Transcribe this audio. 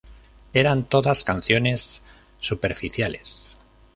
Eran todas canciones superficiales.